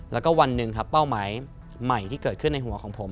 แล้วก็วันหนึ่งครับเป้าหมายใหม่ที่เกิดขึ้นในหัวของผม